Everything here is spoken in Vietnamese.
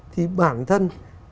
thì bản thân